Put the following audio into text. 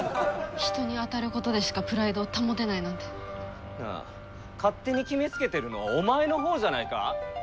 人に当たることでしかプライドを保てないなんて。なあ勝手に決めつけてるのはお前のほうじゃないか？